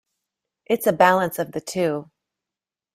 It's a balance of the two.